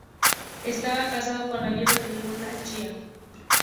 Estaba casado con la diosa de la Luna Chía.